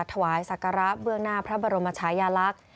ถวายศักระเบื้องหน้าพระบรมชายาลักษณ์